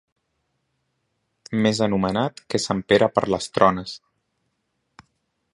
Més anomenat que sant Pere per les trones.